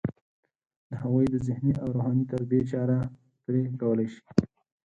د هغوی د ذهني او روحاني تربیې چاره پرې کولی شي.